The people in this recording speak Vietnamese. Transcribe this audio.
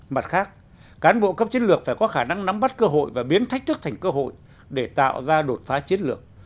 mặt khác cán bộ cấp chiến lược phải có khả năng nắm bắt cơ hội và biến thách thức thành cơ hội để tạo ra đột phá chiến lược